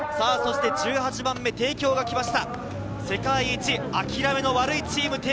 １８番目、帝京が来ました。